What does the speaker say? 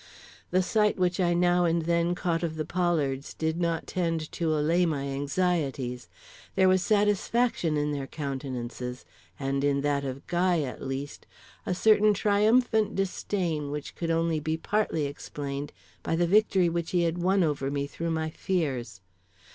The sight which I now and then caught of the Pollards did not tend to allay my anxieties. There was satisfaction in their countenances, and in that of Guy, at least, a certain triumphant disdain which could only be partly explained by the victory which he had won over me through my fears.